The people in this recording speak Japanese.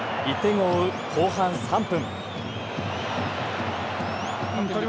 １点を追う後半３分。